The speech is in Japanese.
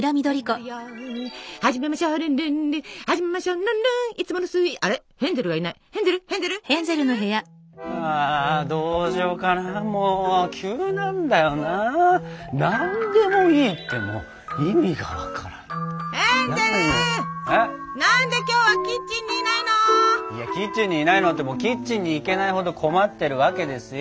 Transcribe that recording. いやキッチンにいないのってキッチンに行けないほど困ってるわけですよ。